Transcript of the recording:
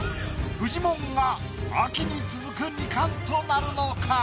フジモンが秋に続く２冠となるのか？